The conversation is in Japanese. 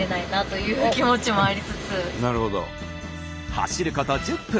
走ること１０分。